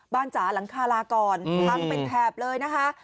จ๋าหลังคาลาก่อนพังเป็นแถบเลยนะคะ